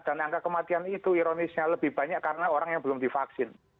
dan angka kematian itu ironisnya lebih banyak karena orang yang belum divaksin